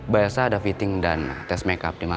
by elsa ada fitting dan tes makeup di mana